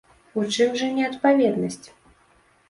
У чым жа неадпаведнасць?